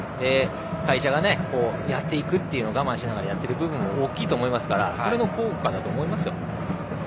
会社がやっていくというのを我慢しながらやっていくのも大きいと思いますからそれの効果だと思います。